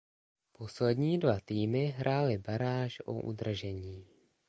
Poslední dva týmy hrály baráž o udržení.